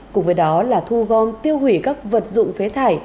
cùng với đó là thu gom tiêu hủy các vật dụng phế thải